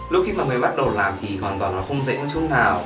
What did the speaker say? lúc khi mà mới bắt đầu làm thì hoàn toàn là không dễ một chút nào